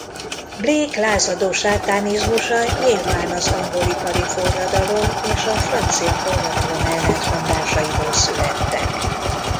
Blake lázadó sátánizmusa nyilván az angol ipari forradalom és a francia forradalom ellentmondásaiból születtek.